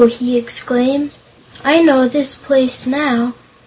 he exclaimed; "I know the place now.